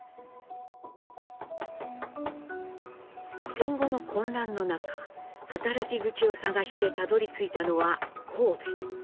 戦後の混乱の中働き口を探してたどりついたのは神戸。